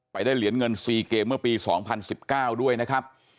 ได้เหรียญเงิน๔เกมเมื่อปี๒๐๑๙ด้วยนะครับ